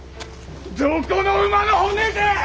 どこの馬の骨じゃ！